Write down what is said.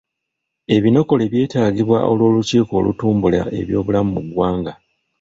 Ebinokole byetaagibwa olw'olukiiko olutumbula ebyobulamu mu ggwanga.